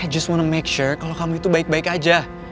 i just wanna make sure kalau kamu itu baik baik aja